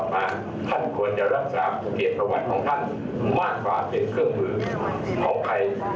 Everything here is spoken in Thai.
ท่านควรจะรักษาเหตุภาพของท่านมากกว่าเป็นเครื่องมือของใคร